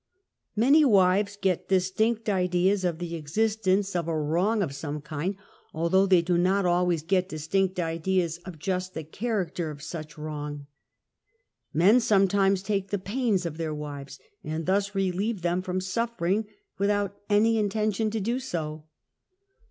Many wives get distinct ideas of the existence of MORNING SICKNESS IN MEN. a wron^ of some kind, although they do not always get distinct ideas of just the character of such wrong. Men sometimes take the pains of their wives, and thus relieve them from suffering without any inten tion to do so.